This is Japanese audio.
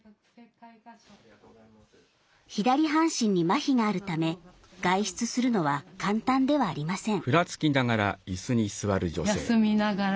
左半身にまひがあるため外出するのは簡単ではありません。